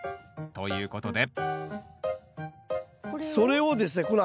ということでそれをですね